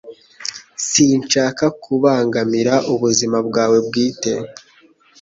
Sinshaka kubangamira ubuzima bwawe bwite